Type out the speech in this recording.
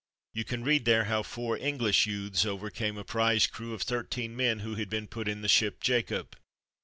You can read there how four English youths over came a prize crew of thirteen men who had been put in the ship Jacob.